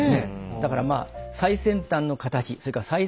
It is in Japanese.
だからまあ最先端の形それから最先端の材料。